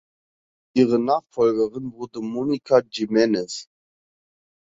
Ihre Nachfolgerin wurde Monica Jimenez.